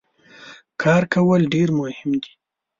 کار کول ډیر مهم دي.